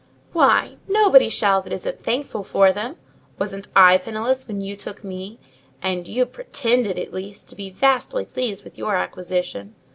"Why, nobody shall that isn't thankful for them. Wasn't I penniless when you took me? and you pretended, at least, to be vastly pleased with your acquisition.